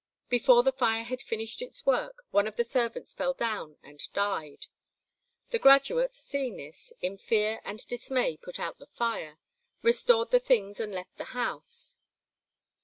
Before the fire had finished its work, one of the servants fell down and died. The graduate, seeing this, in fear and dismay put out the fire, restored the things and left the house.